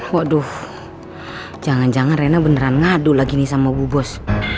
waduh jangan jangan rena beneran ngadu lagi nih sama bu bos